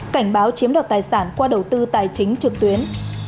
cảnh báo chiếm đoạt tài sản qua đầu tư tài chính trực tuyến